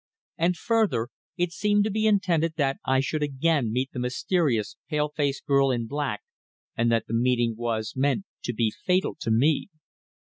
And further, it seemed to be intended that I should again meet the mysterious pale faced girl in black, and that the meeting was meant to be fatal to me.